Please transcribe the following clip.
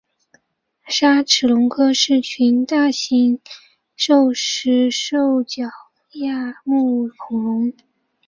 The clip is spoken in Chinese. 鲨齿龙科是群大型肉食性兽脚亚目恐龙。